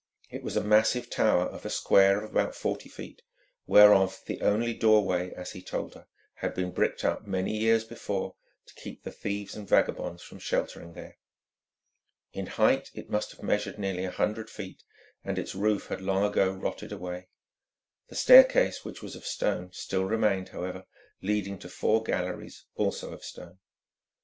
It was a massive tower of a square of about forty feet, whereof the only doorway, as he told her, had been bricked up many years before to keep the thieves and vagabonds from sheltering there. In height it must have measured nearly a hundred feet, and its roof had long ago rotted away. The staircase, which was of stone, still remained, however, leading to four galleries, also of stone.